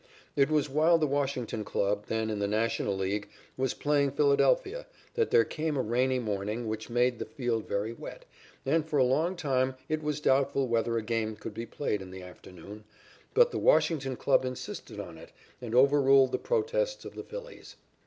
It was while the Washington club, then in the National League, was playing Philadelphia that there came a rainy morning which made the field very wet, and for a long time it was doubtful whether a game could be played in the afternoon, but the Washington club insisted on it and overruled the protests of the Phillies.